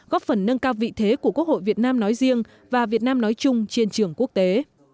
góp phần nâng cao vị thế của quốc hội việt nam nói riêng và việt nam nói chung trên trường quốc tế